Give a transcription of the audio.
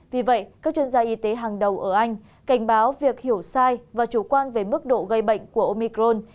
vì vậy các chuyên gia y tế hàng đầu ở anh cảnh báo việc hiểu sai và chủ quan về mức độ gây bệnh của omicron